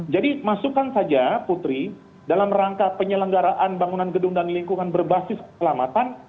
jadi masukkan saja putri dalam rangka penyelenggaraan bangunan gedung dan lingkungan berbasis keselamatan